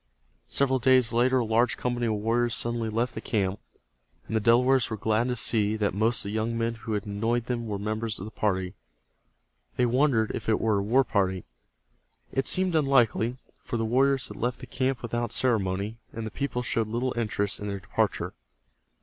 Several days later a large company of warriors suddenly left the camp, and the Delawares were glad to see that most of the young men who had annoyed them were members of the party. They wondered if it were a war party. It seemed unlikely, for the warriors had left the camp without ceremony, and the people showed little interest in their departure.